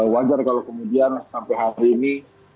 wajar kalau kemudian sampai hari ini